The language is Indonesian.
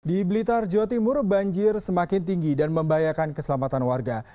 di blitar jawa timur banjir semakin tinggi dan membahayakan keselamatan warga